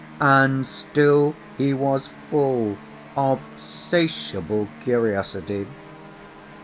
And still he was full of 'satiable curtiosity!